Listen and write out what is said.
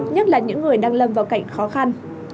nhất là những người đang lâm vào cảnh khó khăn